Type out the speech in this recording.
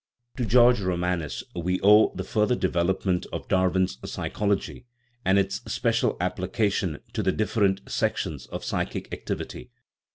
To George Romanes we owe the further development of Darwin's psychology and its special application to the different sections of psychic activity.